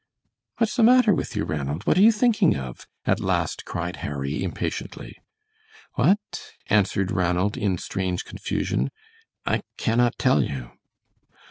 "What's the matter with you, Ranald? What are you thinking of?" at last cried Harry, impatiently. "What?" answered Ranald, in strange confusion, "I cannot tell you."